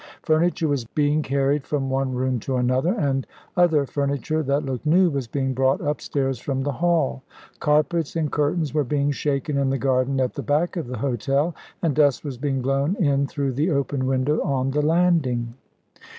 Furniture was being carried from one room to another, and other furniture, that looked new, was being brought upstairs from the hall. Carpets and curtains were being shaken in the garden at the back of the hotel, and dust was being blown in through the open window on the landing.